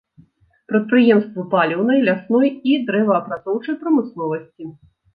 Прадпрыемствы паліўнай, лясной і дрэваапрацоўчай прамысловасці.